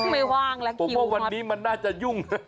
ไม่ว่างแล้วคิวฮอตบอกว่าวันนี้มันน่าจะยุ่ง